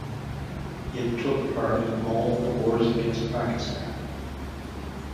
It took part in all of the wars against Pakistan.